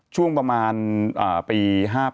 ช่วงประมาณปี๕๘